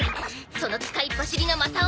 その使いっ走りのマサオ！